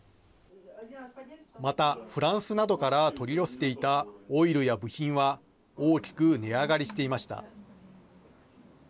また、フランスなどから取り寄せていたオイルや部品は大きく値上がりしていました。